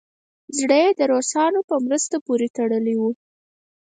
زړه یې د روسانو په مرستو پورې تړلی وو.